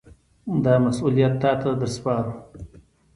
دا مسوولیت تاته در سپارو.